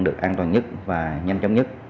được an toàn nhất và nhanh chóng nhất